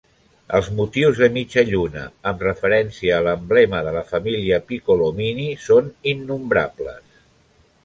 Els motius de mitja lluna, amb referència a l'emblema de la família Piccolomini, són innombrables.